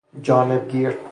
جانب گیر